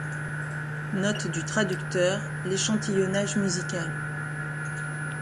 Note du traducteur : l’échantillonnage musical.